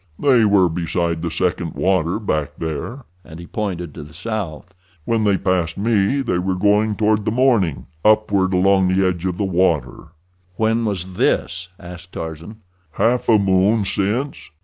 "They were beside the second water back there," and he pointed to the south. "When they passed me they were going toward the morning, upward along the edge of the water." "When was this?" asked Tarzan. "Half a moon since."